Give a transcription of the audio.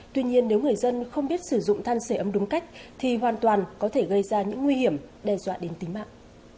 tuy nhiên nếu người dân không biết sử dụng than sửa ấm đúng cách thì hoàn toàn có thể gây ra những nguy hiểm đe dọa đến tính mạng